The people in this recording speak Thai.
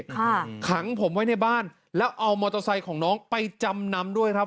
ขังผมไว้ในบ้านแล้วเอามอเตอร์ไซค์ของน้องไปจำนำด้วยครับ